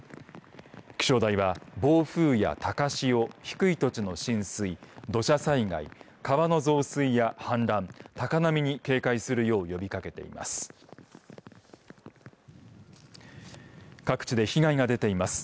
気象台は暴風や高潮低い土地の浸水土砂災害、川の増水や氾濫高波に警戒するよう呼びかけています。